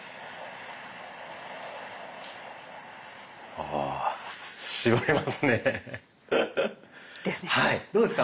ああ絞りますね。ですね。